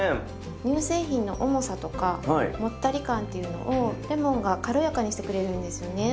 乳製品の重さとかもったり感っていうのをレモンが軽やかにしてくれるんですよね。